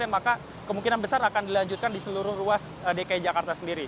maka kemungkinan besar akan dilanjutkan di seluruh ruas dki jakarta sendiri